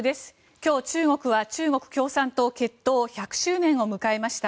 今日、中国は中国共産党結党１００周年を迎えました。